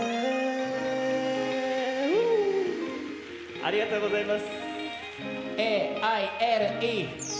ありがとうございます。